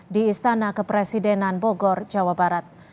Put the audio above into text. di istana kepresidenan bogor jawa barat